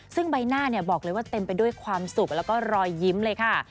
ซึ่งใบหน้าบอกเลยว่าเต็มไปด้วยความสุขแล้วก็รอยยิ้มเลยค่ะ